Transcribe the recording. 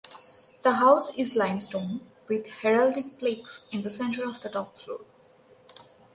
The house is limestone with heraldic plaques in the centre of the top floor.